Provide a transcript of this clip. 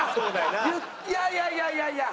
いやいやいやいやいや。